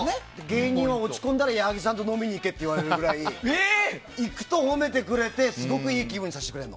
芸人は落ち込んだら矢作さんと飲みに行けと言われるぐらい行くと褒めてくれてすごくいい気分にさせてくれる。